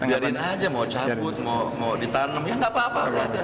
biarin aja mau cabut mau ditanam ya nggak apa apa